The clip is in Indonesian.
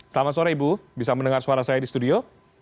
selamat sore ibu bisa mendengar suara saya di studio